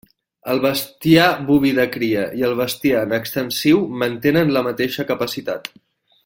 El bestiar boví de cria i el bestiar en extensiu mantenen la mateixa capacitat.